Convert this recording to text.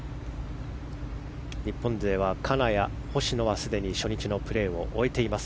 日本勢は金谷、星野はすでに初日のプレーを終えています。